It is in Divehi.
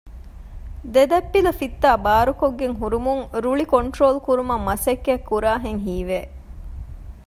ދެދަތްޕިލަ ފިއްތާ ބާރުކޮށްގެން ހުރުމުން ރުޅި ކޮންޓްރޯލް ކުރުމަށް މަސައްކަތް ކުރާހެން ހީވެ